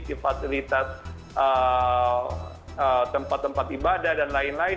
di fasilitas tempat tempat ibadah dan lain lain